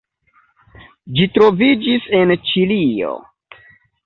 Ĝi troviĝis en Ĉilio.